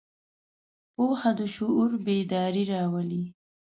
پوهه د شعور بیداري راولي.